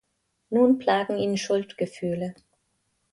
Nun plagen ihn Schuldgefühle.